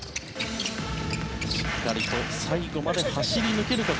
しっかりと最後まで走り抜けるか